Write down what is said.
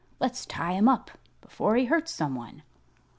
"Let's tie him up, before he hurts someone."